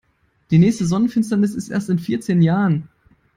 Die nächste Sonnenfinsternis ist erst in vierzehn Jahren.